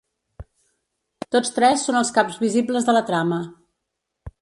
Tots tres són els caps visibles de la trama.